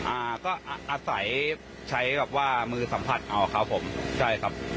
อ่าก็อาศัยใช้แบบว่ามือสัมผัสเอาครับผมใช่ครับ